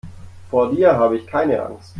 Vor dir habe ich keine Angst.